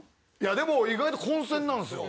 でも意外と混戦なんですよ。